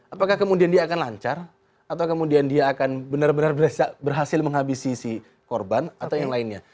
apakah kemudian dia akan lancar atau kemudian dia akan benar benar berhasil menghabisi si korban atau yang lainnya